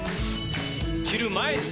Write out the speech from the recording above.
着る前に！